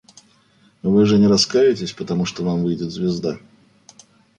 Вы же не раскаетесь, потому что вам выйдет звезда.